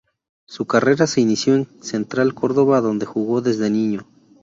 Su carrera se inició en Central Córdoba donde jugó desde niño.